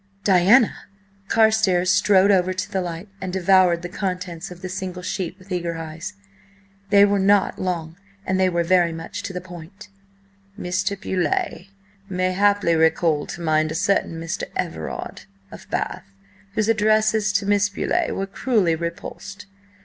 "Diana!" Carstares strode over to the light, and devoured the contents of the single sheet, with eager eyes. They were not long, and they were very much to the point: "Mr. Beauleigh may haply recall to mind a certain 'Mr. Everard,' of Bath, whose Addresses to Miss Beauleigh were cruelly repulsed.